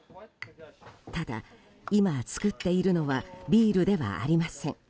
ただ、今、作っているのはビールではありません。